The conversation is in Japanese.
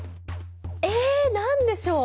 え何でしょう？